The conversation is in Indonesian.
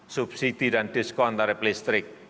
subsidi dan diskon tarif listrik